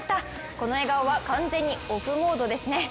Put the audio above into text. この笑顔は完全にオフモードですね。